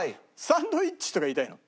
サンドイッチとか言いたいの？